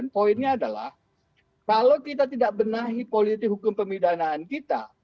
poinnya adalah kalau kita tidak benahi politik hukum pemidanaan kita